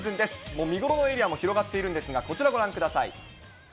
もう見頃のエリアも広がっているんですけれども、こちら、ご覧ください。